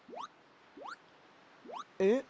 えっ？